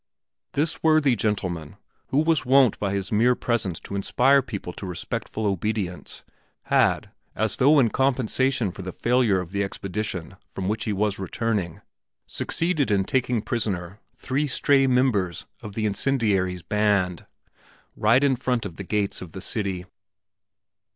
This worthy gentleman, who was wont by his mere presence to inspire people to respectful obedience, had, as though in compensation for the failure of the expedition from which he was returning, succeeded in taking prisoner three stray members of the incendiary's band, right in front of the gates of the city.